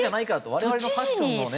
我々のファッションのね。